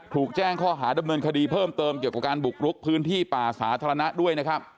ถูกแจ้งข้อหาดำเนินคดีเพิ่มเติมเกี่ยวกับการบุกรุกพื้นที่ป่าสาธารณะด้วยนะครับ